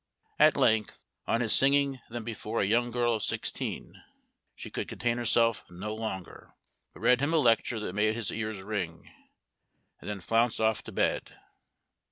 At length, on his singing them before a young girl of sixteen, she could contain herself no longer, but read him a lecture that made his ears ring, and then flounced off to bed.